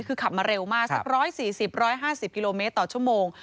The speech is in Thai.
คือขับมาเร็วมากสัก๑๔๐๑๕๐กิโลเมตรต่อชั่วโมง